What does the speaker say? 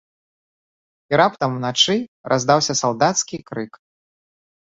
І раптам ўначы раздаўся салдацкі крык.